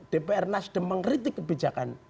dpr nasdem mengkritik kebijakan